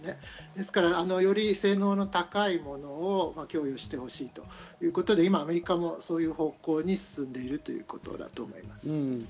ですから、より性能の高いものを供与してほしいということで、今アメリカもそういう方向に進んでいるということだと思います。